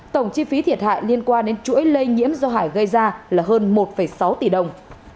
tổng chi phí thiệt hại liên quan đến chuỗi lây nhiễm do hải gây ra là hơn một sáu tỷ đồng